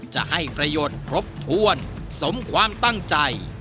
จะให้ประโยชน์ครบถ้วนสมความตั้งใจ